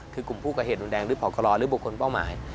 คือกลุ่มผู้ก่อเหตุรุนแรงหรือผอกรหรือบุคคลเป้าหมาย